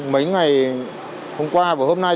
mấy ngày hôm qua và hôm nay